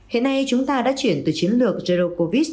hiện nay chúng ta đã chuyển từ chiến lược zero covid